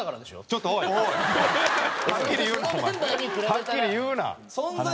はっきり言うな！